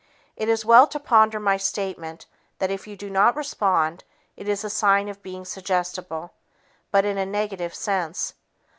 It is well to ponder my statement that if you do not respond, it is a sign of being suggestible, but in a negative sense.